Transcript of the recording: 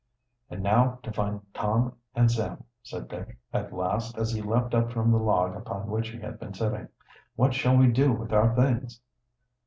"And now to find Tom and Sam," said Dick, at last, as he leaped up from the log upon which he had been sitting. "What shall we do with our things?"